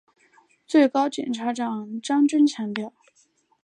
最高检检察长张军强调